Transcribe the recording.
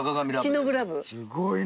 すごいな。